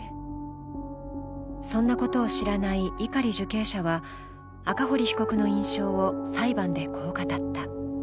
そんなことを知らない碇受刑者は赤堀被告の印象を裁判で、こう語った。